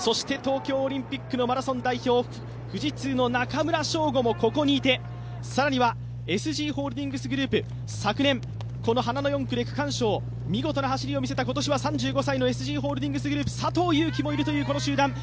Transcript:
東京オリンピックのマラソン代表、富士通の中村匠吾もここにいて、更には、ＳＧホールディングスグループ、昨年この花の４区で区間賞、見事な走りを見せた、今年は３５歳の佐藤悠基もいるというこの集団。